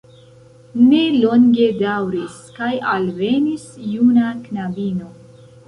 Ne longe daŭris kaj alvenis juna knabino.